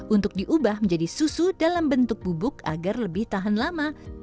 untuk diubah menjadi susu dalam bentuk bubuk agar lebih tahan lama